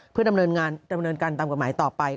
เพื่อดำเนินงานดำเนินการตามกระหมายต่อไป